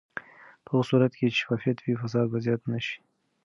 په هغه صورت کې چې شفافیت وي، فساد به زیات نه شي.